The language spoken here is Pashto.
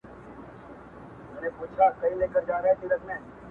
چې تنازل یې کړی